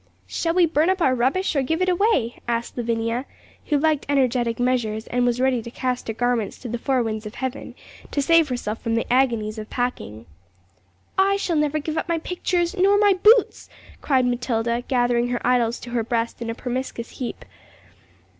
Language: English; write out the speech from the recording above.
'Shall we burn up our rubbish, or give it away?' asked Lavinia, who liked energetic measures, and was ready to cast her garments to the four winds of heaven, to save herself from the agonies of packing. 'I shall never give up my pictures, nor my boots!' cried Matilda, gathering her idols to her breast in a promiscuous heap.